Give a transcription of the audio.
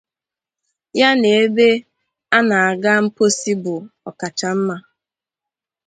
ya na ebe a na-aga mposi bụ ọkachamma.